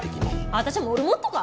私はモルモットか！